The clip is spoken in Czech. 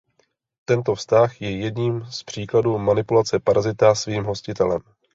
Tento vztah je jedním z příkladů manipulace parazita svým hostitelem.